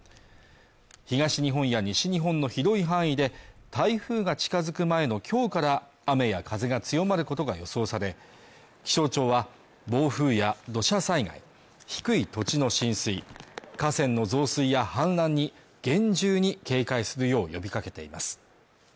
東日本や西日本の広い範囲で台風が近づく前のきょうから雨や風が強まることが予想され気象庁は暴風や土砂災害低い土地の浸水、河川の増水や氾濫に厳重に警戒するよう呼びかけています